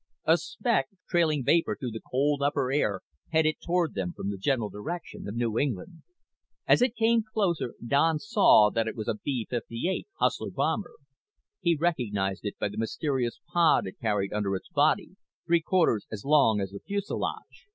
A speck, trailing vapor through the cold upper air, headed toward them from the general direction of New England. As it came closer Don saw that it was a B 58 Hustler bomber. He recognized it by the mysterious pod it carried under its body, three quarters as long as the fuselage.